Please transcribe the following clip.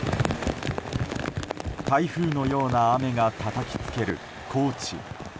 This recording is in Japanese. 台風のような雨がたたきつける高知。